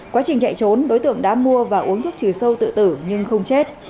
quá trình chạy trốn đối tượng đã mua và uống thuốc trừ sâu tự tử nhưng không chết